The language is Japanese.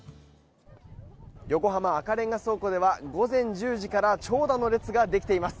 横浜赤レンガ倉庫では午前１０時から長蛇の列ができています。